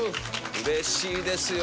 うれしいですよ